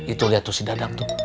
itu liat tuh si dadam tuh